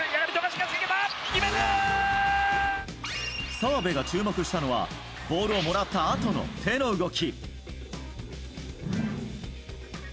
澤部が注目したのはボールをもらったあとの手の動き。